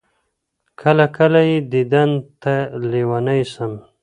كله، كله يې ديدن تــه لـيونـى سم